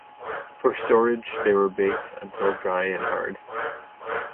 For storage they were baked until dry and hard.